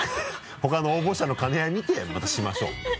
他の応募者の兼ね合いみてまたしましょう。